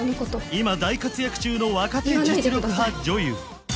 今大活躍中の若手実力派女優